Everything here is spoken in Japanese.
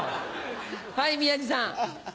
はい宮治さん。